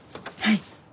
はい。